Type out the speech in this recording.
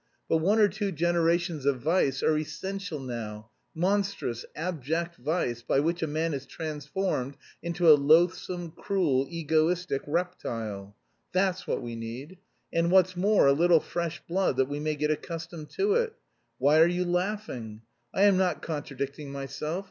But one or two generations of vice are essential now; monstrous, abject vice by which a man is transformed into a loathsome, cruel, egoistic reptile. That's what we need! And what's more, a little 'fresh blood' that we may get accustomed to it. Why are you laughing? I am not contradicting myself.